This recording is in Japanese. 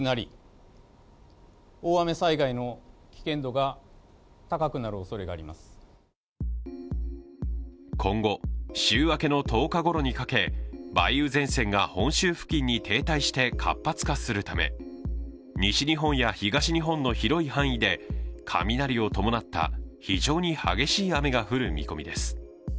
この厳しい暑さの一方、警戒が必要なのが今後、週明けの１０日ごろにかけ梅雨前線が、本州付近に停滞して活発化するため、西日本や東日本の広い範囲で雷を伴った非常に激しい雨が降る見込みです。